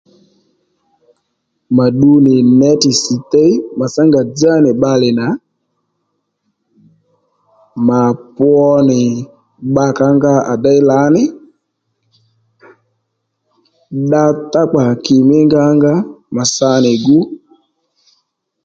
Mà ddu nì netì sstey màtsá ngà dzá nì bbalè nà mà pwo nì bbǎkǎnga à déy lǎní dda tó kpa kì mí ngǎnga mà sa nì gu